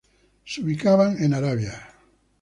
Se ubicaban en Arabia.